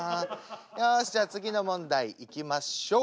よしじゃあ次の問題いきましょう。